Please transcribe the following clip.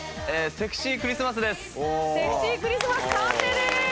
セクシークリスマス完成です！